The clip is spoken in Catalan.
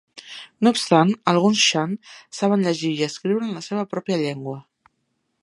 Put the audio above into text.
No obstant, alguns Shan saben llegir i escriure en la seva pròpia llengua.